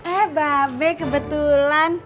eh mbak be kebetulan